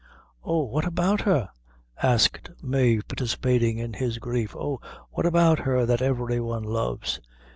"Oh! what about her?" asked Mave, participating in his grief; "oh! what about her that every one loves?"